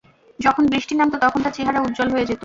যখন বৃষ্টি নামতো তখন তার চেহারা উজ্জ্বল হয়ে যেত।